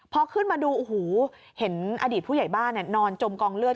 พอขึ้นมาดูโอ้โหเห็นอดีตผู้ใหญ่บ้านนอนจมกองเลือด